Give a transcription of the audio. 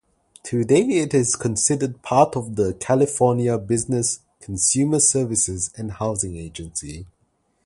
Today, it is considered part of the California Business, Consumer Services, and Housing Agency.